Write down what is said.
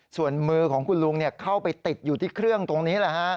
ส่วนมือของคุณลุงเข้าไปติดอยู่ที่เครื่องตรงนี้